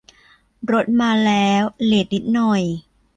รถมาแล้ว เลตนิดหน่อย